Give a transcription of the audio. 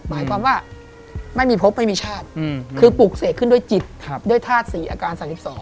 หมายความว่าไม่มีพบไม่มีชาติคือปลูกเสกขึ้นด้วยจิตด้วยธาตุศรีอาการ๓๒